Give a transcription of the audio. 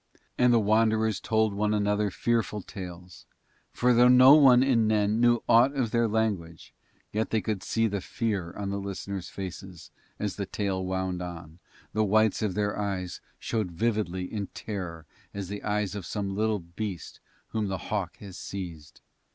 And the Wanderers told one another fearful tales, for though no one in Nen knew aught of their language, yet they could see the fear on the listeners' faces, and as the tale wound on, the whites of their eyes showed vividly in terror as the eyes of some little beast whom the hawk has seized.